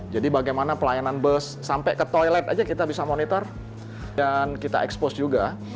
jadi bagaimana pelayanan bus sampai ke toilet aja kita bisa monitor dan kita expose juga